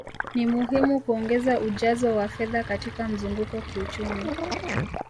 Ni muhimu kuongeza ujazo wa fedha katika mzunguko kiuchumi